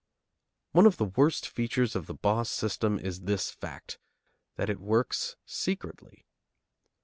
One of the worst features of the boss system is this fact, that it works secretly.